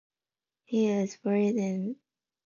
He is buried in Oklahoma City.